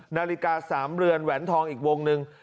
นาฬิกา๓เรือนแหวนทองอีกวงหนึ่ง